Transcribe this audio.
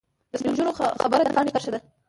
د سپین ږیرو خبره د کاڼي کرښه ده.